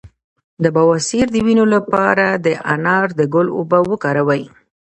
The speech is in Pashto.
د بواسیر د وینې لپاره د انار د ګل اوبه وکاروئ